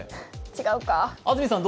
違うか。